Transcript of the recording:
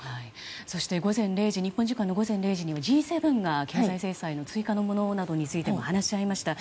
そして日本時間の午前０時にはＧ７が経済制裁の追加のものなどについても話し合いました。